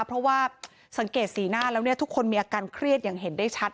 เพราะว่าสังเกตสีหน้าแล้วเนี่ยทุกคนมีอาการเครียดอย่างเห็นได้ชัด